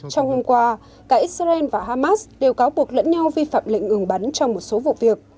trong hôm qua cả israel và hamas đều cáo buộc lẫn nhau vi phạm lệnh ngừng bắn trong một số vụ việc